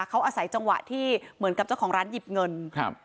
เขาอาศัยจังหวะที่เหมือนกับเจ้าของร้านหยิบเงินครับ